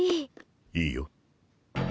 いいよ。